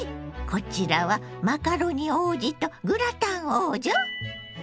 こちらはマカロニ王子とグラタン王女？